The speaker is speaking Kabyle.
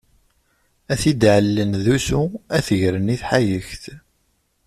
Ad t-id-ɛellen d ustu, ad t-gren i tḥayekt.